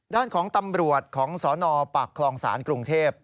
ด้านของตำรวจของสนปากคลองศาลกรุงเทพ